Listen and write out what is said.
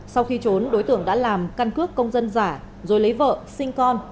sau khi trốn đối tượng đã làm căn cước công dân giả rồi lấy vợ sinh con